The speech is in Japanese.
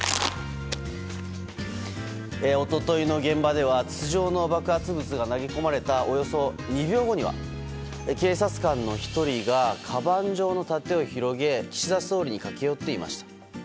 おとといの現場では筒状の爆発物が投げ込まれたおよそ２秒後には警察官の１人がかばん状の盾を広げ岸田総理に駆け寄っていました。